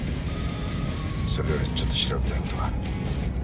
それよりちょっと調べたいことがある。